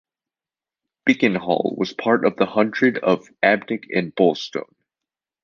Bickenhall was part of the hundred of Abdick and Bulstone.